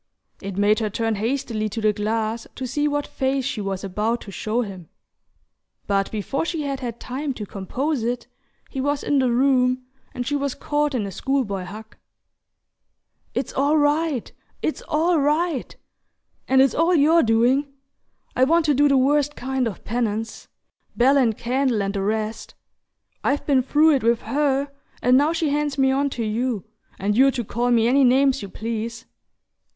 It made her turn hastily to the glass to see what face she was about to show him; but before she had had time to compose it he was in the room and she was caught in a school boy hug. "It's all right! It's all right! And it's all your doing! I want to do the worst kind of penance bell and candle and the rest. I've been through it with HER, and now she hands me on to you, and you're to call me any names you please."